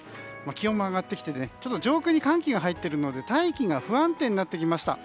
気温も上がってきて上空に寒気が入っているので大気が不安定になってきました。